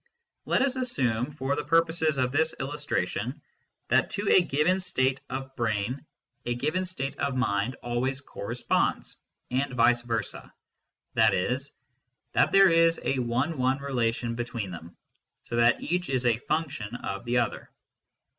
Let us assume, for the purposes of this illustration, that to a griven state of brain 200 MVSTICISM AND LOGIC a given state of mind always corresponds, and vice versa, i.e. that there is a one one relation between them, so that each is a function of the other.